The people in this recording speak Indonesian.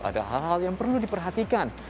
ada hal hal yang perlu diperhatikan